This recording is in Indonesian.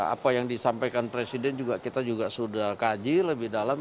apa yang disampaikan presiden kita juga sudah kaji lebih dalam